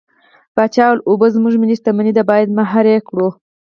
پاچا وويل: اوبه زموږ ملي شتمني ده بايد مهار يې کړو.